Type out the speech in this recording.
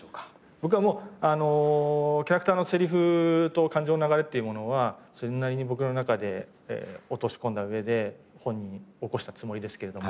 僕はキャラクターのセリフと感情の流れっていうものはそれなりに僕の中で落とし込んだ上でホンに起こしたつもりですけれども。